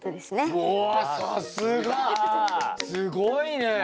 すごいね。